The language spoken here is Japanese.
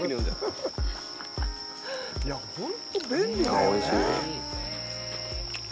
ああ、おいしい。